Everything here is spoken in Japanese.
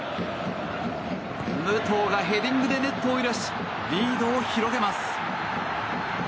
武藤がヘディングでネットを揺らしリードを広げます。